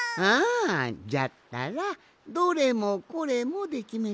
じゃったらどれもこれもできめたらどうじゃ？